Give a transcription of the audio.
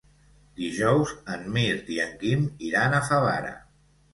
Dijous en Mirt i en Quim iran a Favara.